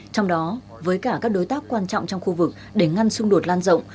trong đó với cả các đối tác quan trọng trong khu vực để ngăn xung đột lan rộng